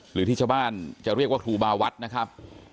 หรือที่ชาวบ้านจะเรียกว่าครูบาวัดนะครับ